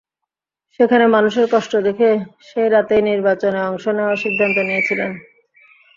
সেখানে মানুষের কষ্ট দেখে সেই রাতেই নির্বাচনে অংশ নেওয়ার সিদ্ধান্ত নিয়েছিলাম।